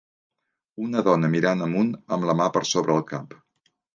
Una dona mirant amunt amb la mà per sobre el cap.